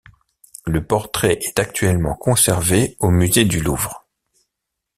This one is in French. Le portrait est actuellement conservé au musée du Louvre.